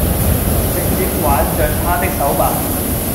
直接挽著他的手吧